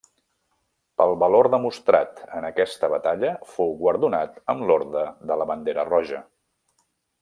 Pel valor demostrat en aquesta batalla fou guardonat amb l'Orde de la Bandera Roja.